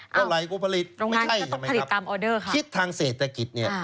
เวลาไหร่กูผลิตไม่ใช่ใช่ไหมครับคิดทางเศรษฐกิจเนี่ย